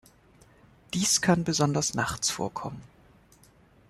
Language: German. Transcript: Dies kann besonders nachts vorkommen.